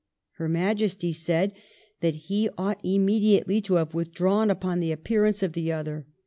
Her Majesty said that he ought immedi ately to have withdrawn upon the appearance of the other.